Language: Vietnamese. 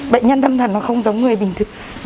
bệnh nhân tâm thần nó không có người bình thường